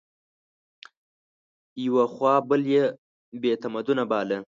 یوه خوا بل بې تمدنه باله